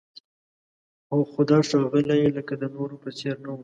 خو دا ښاغلی لکه د نورو په څېر نه و.